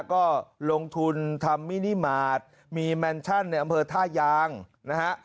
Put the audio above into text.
ก็ลงทุนทำมินิมาตรมีแมนชั่นในอำเภอท่ายางนะฮะ